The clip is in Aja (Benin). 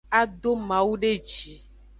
A do mawu de ji.